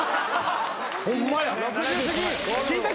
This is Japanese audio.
ホンマや。